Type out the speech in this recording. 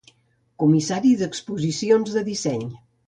Comissari d'exposicions de Disseny.